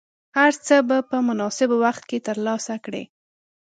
هر څه به په مناسب وخت کې ترلاسه کړې.